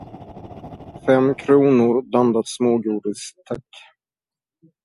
Fem kronor blandat smågodis, tack!